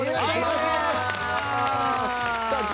はいお願いします。